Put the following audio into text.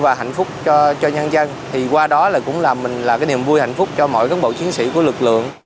và hạnh phúc cho nhân dân thì qua đó là cũng làm mình là cái niềm vui hạnh phúc cho mọi cân bộ chiến sĩ của lực lượng